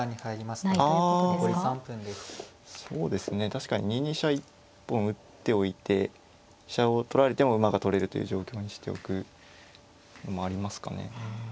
確かに２二飛車一本打っておいて飛車を取られても馬が取れるという状況にしておくのもありますかね。